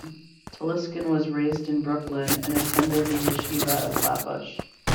Telushkin was raised in Brooklyn and attended the Yeshiva of Flatbush.